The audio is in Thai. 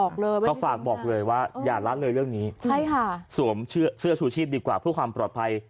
เขาฝากบอกเลยว่าอย่าละเลยเรื่องนี้ใช่ค่ะสวมเสื้อชูชีพดีกว่าเพื่อความปลอดภัย